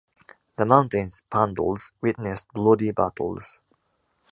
The mountains of Pandols witnessed bloody battles.